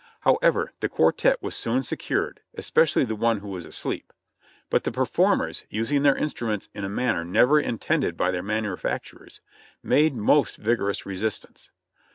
However, the quartette was soon secured, especially the one who was asleep: but the performers, using their instruments in a manner never in tended by their manufacturers, made most vigorous resistance.